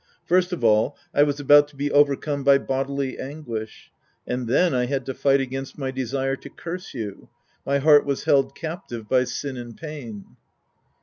First of all, I was about to be overcome by bodily anguish. And then I had to fight against my desire to curse you. My heart was held captive by sin and pain.